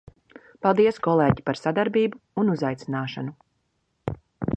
Paldies kolēģi par sadarbību un uzaicināšanu!